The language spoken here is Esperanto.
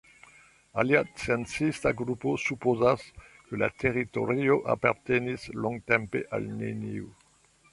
Alia sciencista grupo supozas, ke la teritorio apartenis longtempe al neniu.